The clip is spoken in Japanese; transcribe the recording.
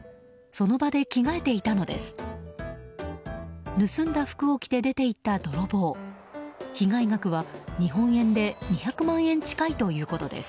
その場で着替えていたのです。